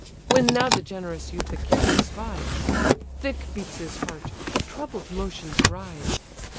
When now the generous youth Achilles spies, Thick beats his heart, the troubled motions rise.